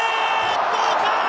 どうか？